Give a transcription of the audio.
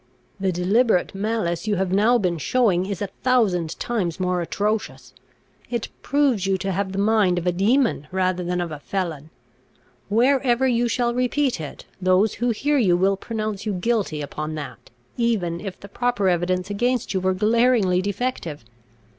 The deliberate malice you have now been showing is a thousand times more atrocious. It proves you to have the mind of a demon, rather than of a felon. Wherever you shall repeat it, those who hear you will pronounce you guilty upon that, even if the proper evidence against you were glaringly defective.